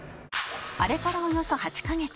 あれからおよそ８カ月